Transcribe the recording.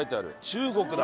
中国だ。